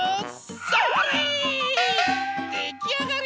それできあがり！